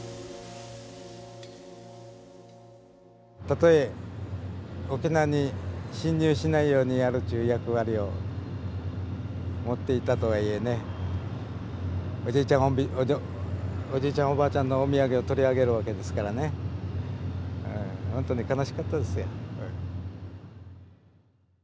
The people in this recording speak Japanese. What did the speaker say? たとえ沖縄に侵入しないようにやるという役割を持っていたとはいえねおじいちゃんおばあちゃんのお土産を取り上げるわけですからねほんとに悲しかったですよ。